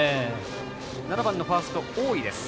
７番のファースト、多井です。